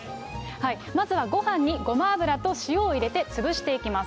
まずはごはんにごま油と塩を入れてつぶしていきます。